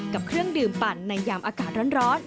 เครื่องดื่มปั่นในยามอากาศร้อน